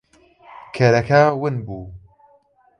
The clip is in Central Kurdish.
کەرەکە ون بوو.